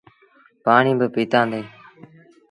پآڻيٚ پيٚتآندي